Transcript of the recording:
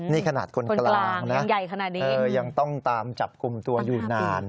นี่ขนาดคนกลางนะยังต้องตามจับกลุ่มตัวอยู่นาน